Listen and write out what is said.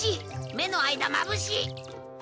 目の間まぶしい！